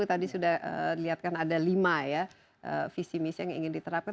tadi sudah dilihatkan ada lima ya visi misi yang ingin diterapkan